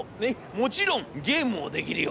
もちろんゲームもできるよ』。